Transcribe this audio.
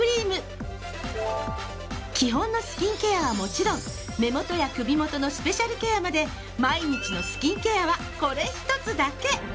基本のスキンケアはもちろん目元や首元のスペシャルケアまで毎日のスキンケアは。